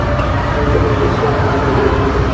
দেশে শ্রীরামচন্দ্র ও মহাবীরের পূজা চালিয়ে দে দিকি।